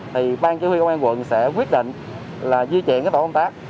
thì bang chí huy công an quận sẽ quyết định là di chuyển cái tổ công tác